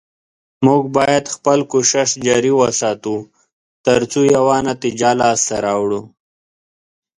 موږ باید خپل کوشش جاري وساتو، تر څو یوه نتیجه لاسته راوړو